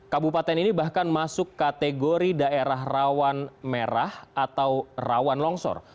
kabupaten ini bahkan masuk kategori daerah rawan merah atau rawan longsor